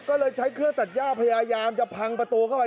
ก็เลยใช้เครื่องตัดย่าพยายามจะพังประตูเข้าไป